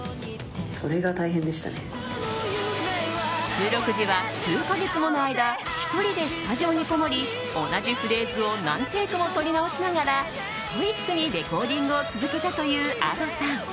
収録時は数か月もの間１人でスタジオにこもり同じフレーズを何テイクもとり直しながらストイックにレコーディングを続けたというＡｄｏさん。